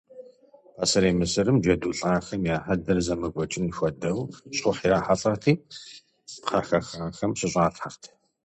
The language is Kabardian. Пасэрей Мысырым джэду лӏахэм я хьэдэр зэмыкӏуэкӏын хуэдэу щхъухь ирахьэлӏэрти кхъэ хэхахэм щыщӏалъхэрт.